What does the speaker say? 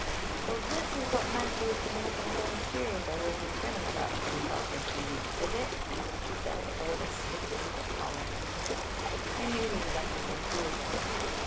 "So this is what Matthew has been looking so mysterious over and grinning about to himself for two weeks, is it?" she said a little stiffly but tolerantly. "I knew he was up to some foolishness.